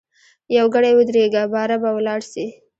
یوګړی ودریږه باره به ولاړ سی.